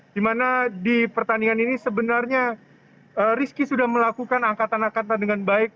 dimana di pertandingan ini sebenarnya rizky sudah melakukan angkatan angkatan dengan baik